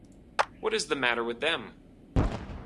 What is the matter with them?